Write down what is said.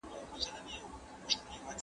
آنلاین زده کړې د پوهنې معیار لوړوي.